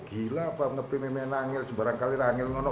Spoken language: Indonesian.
gila pak ngepi memenangnya sebarang kalian ya apa